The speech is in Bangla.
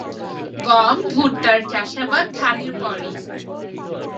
গম, ভুট্টার চাষাবাদ ধান এর পরেই।